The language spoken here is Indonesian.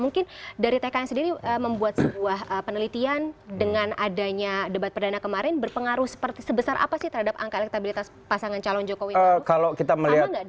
mungkin dari tkn sendiri membuat sebuah penelitian dengan adanya debat perdana kemarin berpengaruh sebesar apa sih terhadap angka elektabilitas pasangan calon jokowi